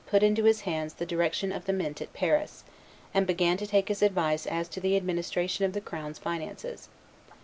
put into his hands the direction of the mint at Paris, and began to take his advice as to the administration of the crown's finances.